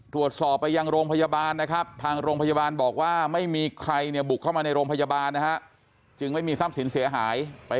ตรวจสอบไปยังโรงพยาบาลนะครับทางโรงพยาบาลบอกว่าไม่มีใครเนี่ยบุกเข้ามาในโรงพยาบานนะฮะ